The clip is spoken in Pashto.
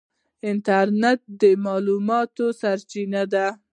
انټرنیټ د معلوماتو سرچینه ده.